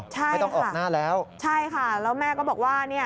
ใช่ไม่ต้องออกหน้าแล้วใช่ค่ะแล้วแม่ก็บอกว่าเนี่ย